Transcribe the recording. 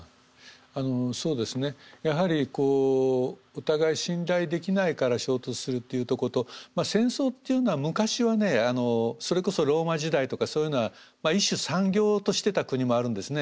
そうですねやはりこうお互い信頼できないから衝突するっていうとこと戦争っていうのは昔はねそれこそローマ時代とかそういうのは一種産業としてた国もあるんですね。